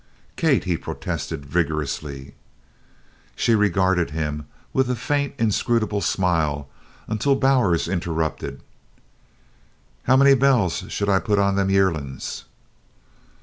"Kate!" he protested vigorously. She regarded him with a faint inscrutable smile until Bowers interrupted: "How many bells shall I put on them yearlin's?"